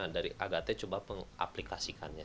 dari agate coba mengaplikasikannya